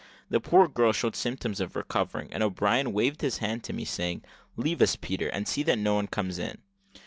The poor girl showed symptoms of recovering, and O'Brien waved his hand to me, saying, "Leave us, Peter, and see that no one comes in."